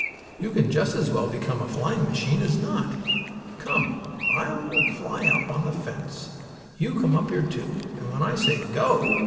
You can just as well become a flying machine as not. Come, I will fly up on the fence. You come up here, too, and when I say 'Go!'